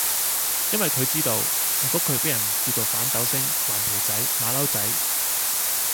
因為佢知道，如果佢俾人叫做反鬥星，頑皮仔，馬騮仔